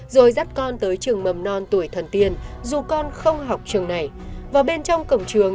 rồi dắt con tới trường mầm non tuổi thần tiên dù con không học trường này vào bên trong cổng trường